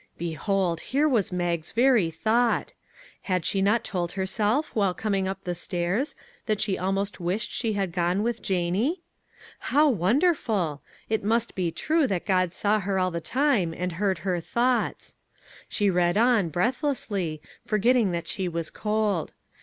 Behold, here was Mag's very thought! Had she not told herself, while coming up the stairs, that she almost wished she had gone with Janie ? How wonderful ! It must be true that God saw her all the time, and heard her thoughts. She read on, breathlessly, forgetting that she was cold.